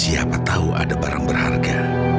siapa tahu ada barang berharga